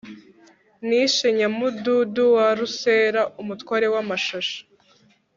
nishe nyamududu wa rusera, umutware w'amashashi